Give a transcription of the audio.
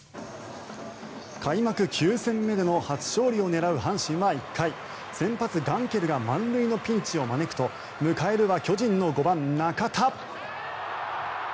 開幕９戦目での初勝利を狙う阪神は１回先発、ガンケルが満塁のピンチを招くと迎えるのは巨人の５番、中田。